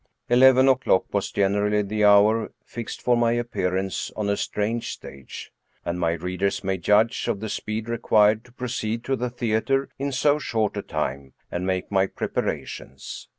Eleven o'clock was generally the hour fixed for my ap pearance on a strange stage, and my readers may judge of the speed required to proceed to the theater in so short ' a time and make my preparations.